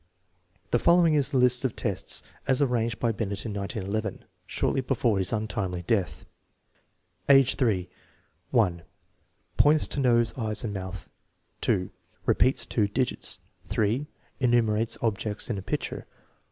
The following is the list of tests as arranged by Binet in 1911, shortly before his untimely death; Age 3: 1. Points to nose, eyes, and mouth. 2. Repeats two digits. 3. Enumerates objects in a picture.